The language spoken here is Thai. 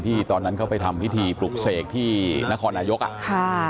ที่ตอนนั้นเขาไปทำพิธีปลูกเสกที่นครนายก